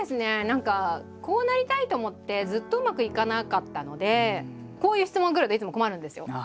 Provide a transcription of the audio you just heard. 何かこうなりたいと思ってずっとうまくいかなかったのでこういう質問くるといつも困るんですよ。